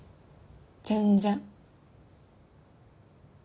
全然。